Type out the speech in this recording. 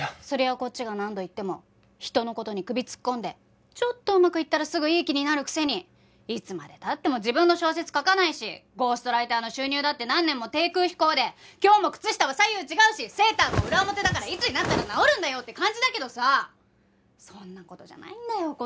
そりゃあこっちが何度言っても人の事に首突っ込んでちょっとうまくいったらすぐいい気になるくせにいつまで経っても自分の小説書かないしゴーストライターの収入だって何年も低空飛行で今日も靴下は左右違うしセーターも裏表だからいつになったら直るんだよって感じだけどさそんな事じゃないんだよ